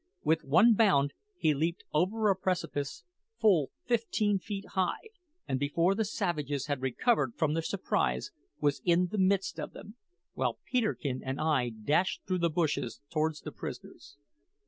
With one bound he leaped over a precipice full fifteen feet high, and before the savages had recovered from their surprise, was in the midst of them, while Peterkin and I dashed through the bushes towards the prisoners.